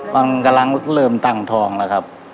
มันกำลังเริ่มตั้งทองแล้วครับ